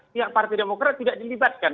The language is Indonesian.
pihak partai demokrat tidak dilibatkan